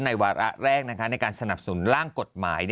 วาระแรกในการสนับสนุนร่างกฎหมาย